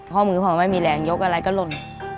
ข้อมือพอไม่มีแรงยกอะไรก็หล่น